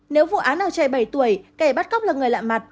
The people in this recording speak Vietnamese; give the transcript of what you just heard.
nếu vụ án ở trẻ bảy tuổi kẻ bắt cóc là người lạ mặt